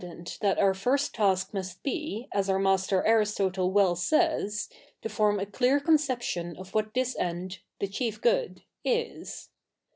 it that our first task inust be, as our master Aristotle well says, to form a clear conception of ivhat this end, the chief good, is.